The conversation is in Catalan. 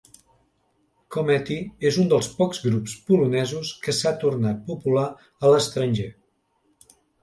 Komety és un dels pocs grups polonesos que s'ha tornat popular a l'estranger.